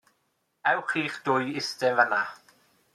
Ewch chi'ch dwy i ista'n fan 'na.